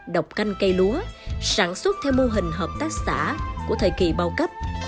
đọc canh cây lúa sản xuất theo mô hình hợp tác xã của thời kỳ bao cấp